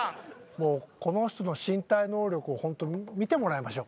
もうこの人の身体能力をホント見てもらいましょう。